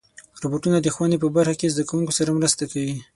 روبوټونه د ښوونې په برخه کې زدهکوونکو سره مرسته کوي.